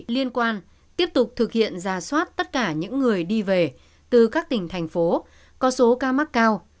liên quan tiếp tục thực hiện ra soát tất cả những người đi về từ các tỉnh thành phố có số ca mắc cao